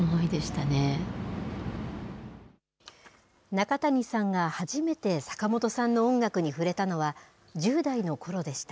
中谷さんが初めて坂本さんの音楽に触れたのは、１０代のころでした。